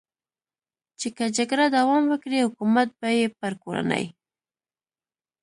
چې که جګړه دوام وکړي، حکومت به یې پر کورنۍ.